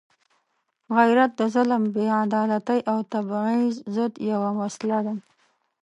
غیرت د ظلم، بېعدالتۍ او تبعیض ضد یوه وسله ده.